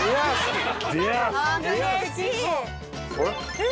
えっ？